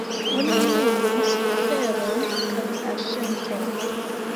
Oni minis feron kaj arĝenton.